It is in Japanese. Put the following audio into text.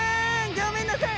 ギョめんなさい！